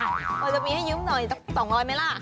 เราจะมีให้ยืมหน่อย๒๐๐บาทไหมล่ะ